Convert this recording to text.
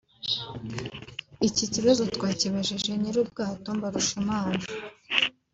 Iki kibazo twakibajije nyir’ubwato Mbarushimana